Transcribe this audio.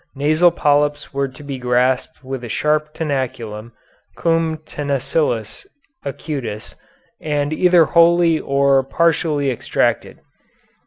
Nasal polyps were to be grasped with a sharp tenaculum, cum tenacillis acutis, and either wholly or partially extracted.